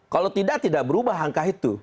kalau tidak tidak berubah angka itu